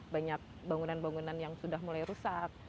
banyak bangunan bangunan yang sudah mulai rusak